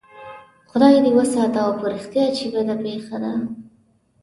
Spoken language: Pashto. خدای دې وساته او په رښتیا چې بده پېښه ده.